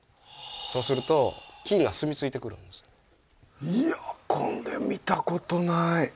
そうするといやこれ見たことない。